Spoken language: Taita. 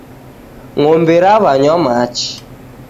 Ng'ombe rawanywa machi